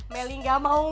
melih gak mau masakin